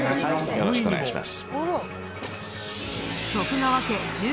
よろしくお願いします。